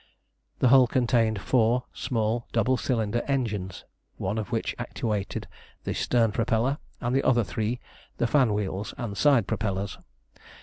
The hull contained four small double cylinder engines, one of which actuated the stern propeller, and the other three the fan wheels and side propellers.